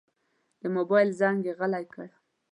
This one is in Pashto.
د موبایل زنګ یې غلی کړ.